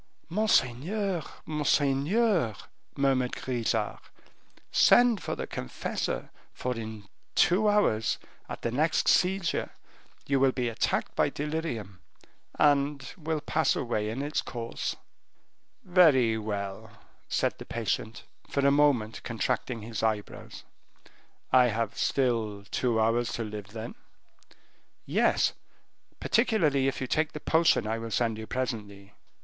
"Monseigneur, monseigneur," murmured Grisart, "send for the confessor, for in two hours, at the next seizure, you will be attacked by delirium, and will pass away in its course." "Very well," said the patient, for a moment contracting his eyebrows, "I have still two hours to live then?" "Yes; particularly if you take the potion I will send you presently."